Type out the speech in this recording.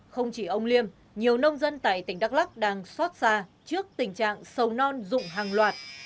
không chỉ ông liêm nhiều nông dân tại tỉnh đắk lắc đang xót xa trước tình trạng sầu non rụng hàng loạt